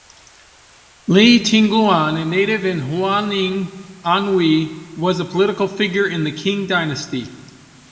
Li Tingluan, a native in Huaining, Anhui, was a political figure in the Qing Dynasty.